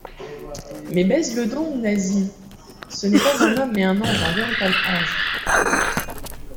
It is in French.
Mais, baise-le donc, Nasie ? ce n'est pas un homme, mais un ange, un véritable ange.